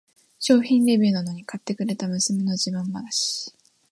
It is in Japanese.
商品レビューなのに買ってくれた娘の自慢話